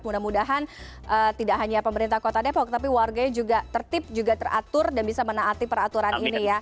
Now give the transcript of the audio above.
mudah mudahan tidak hanya pemerintah kota depok tapi warganya juga tertib juga teratur dan bisa menaati peraturan ini ya